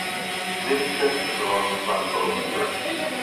Ladysmith is along the Flambeau River.